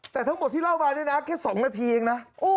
แต่ทั้งหมดที่เล่ามานี่นะแค่๒นาทีเองนะ